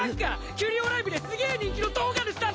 キュリオ・ライブですげ人気の動画主だぞ！